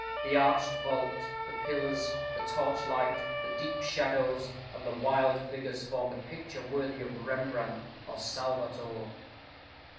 The arched vault, the pillars, the torchlight, the deep shadows, and the wild figures, formed a picture worthy of Rembrandt or Salvator.